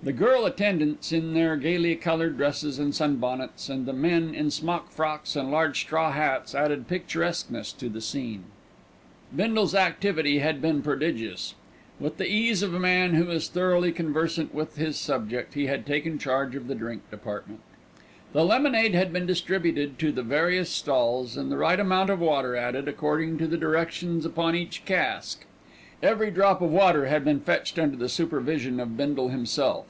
The girl attendants in their gaily coloured dresses and sun bonnets, and the men in smock frocks and large straw hats, added picturesqueness to the scene. Bindle's activity had been prodigious. With the ease of a man who is thoroughly conversant with his subject, he had taken charge of the drink department. The lemonade had been distributed to the various stalls, and the right amount of water added, according to the directions upon each cask. Every drop of water had been fetched under the supervision of Bindle himself.